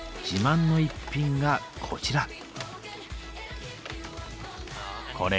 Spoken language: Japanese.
自慢の一品がこちら。